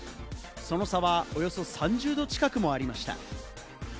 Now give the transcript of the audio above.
その差はおよそ３０度近くもありました。